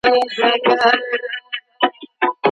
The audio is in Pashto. که په موبایل کي ځای نه وي نو اپلیکیشن نه خلاصیږي.